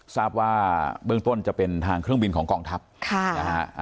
ทราบว่าเบื้องต้นจะเป็นทางเครื่องบินของกองทัพค่ะนะฮะ